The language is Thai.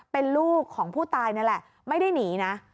เป็นลูกของผู้ตายนั่นแหละไม่ได้หนีนะ